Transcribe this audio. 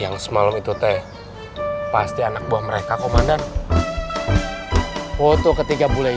yang semalam itu teh pasti anak buah mereka komandan foto ketika bulan